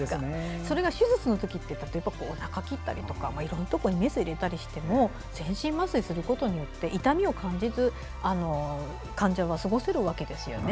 それが手術のときっておなかを切ったりいろいろなところにメスを入れたりしても全身麻酔をすることによって痛みを感じず患者は過ごせるわけですよね。